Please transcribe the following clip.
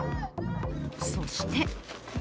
そして。